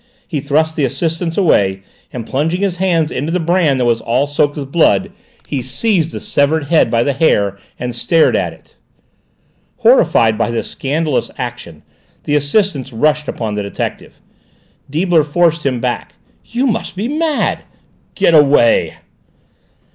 He thrust the assistants away, and plunging his hands into the bran that was all soaked with blood, he seized the severed head by the hair and stared at it. Horrified by this scandalous action the assistants rushed upon the detective. Deibler forced him backwards. "You must be mad!" "Get away!"